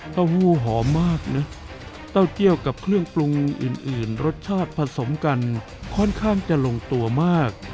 หู้หอมมากนะเต้าเจียวกับเครื่องปรุงอื่นรสชาติผสมกันค่อนข้างจะลงตัวมาก